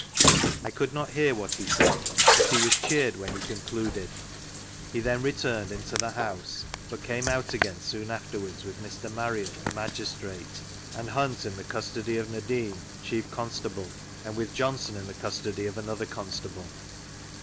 I could not hear what be said, but lie was cheered when he concluded. He then retumjed into the house, but came out again soon afterwards with Mr. Marriott, ' tbe Magistrate, and Hunt in the custody of Nadin, Chief Constable, and with Johnson in the custody of another constable.